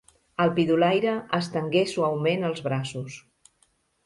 El pidolaire estenguè suaument els braços.